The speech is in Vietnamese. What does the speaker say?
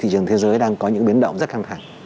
thị trường thế giới đang có những biến động rất căng thẳng